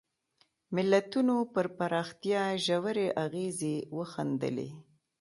ملتونو پر پراختیا ژورې اغېزې وښندلې.